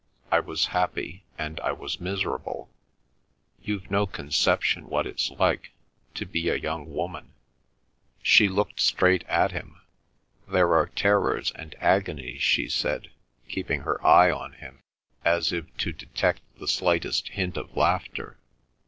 "I was happy and I was miserable. You've no conception what it's like—to be a young woman." She looked straight at him. "There are terrors and agonies," she said, keeping her eye on him as if to detect the slightest hint of laughter.